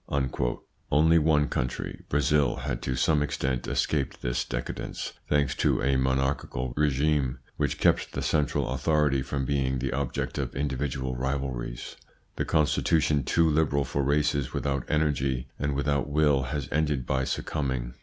Only one country, Brazil, had to some extent escaped this decadence, thanks to a monarchical regime which kept the central authority from being the object of individual rivalries. This constitution, too liberal for races without energy and without will, has ended by succumbing.